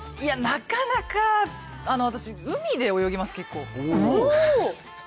なかなか私、海で泳ぎます、結構。